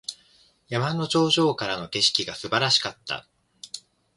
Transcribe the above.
山の頂上からの景色が素晴らしかった。